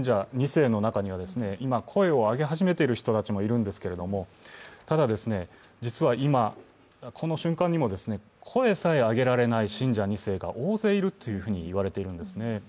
世の中には今、声を上げ始めている人たちもいるんですけれども、ただ、実は今、この瞬間にも声さえ上げられない信者２世が大勢いるといわれているんですね。